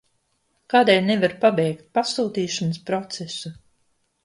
Kādēļ nevaru pabeigt pasūtīšanas procesu?